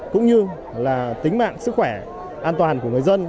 cũng như là tính mạng sức khỏe an toàn của người dân